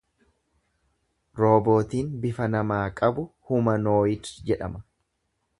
Roobootiin bifa namaa qabu 'humanooyid' jedhama.